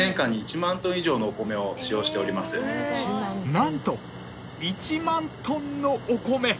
なんと１万トンのお米！